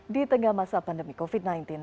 di tengah masa pandemi covid sembilan belas